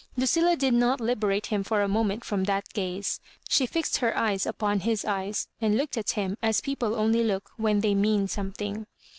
Lucilla did not liberate him for a moment from that gaze. She fixed her eyes upon his eyes, and looked at him as people only look when they mean something.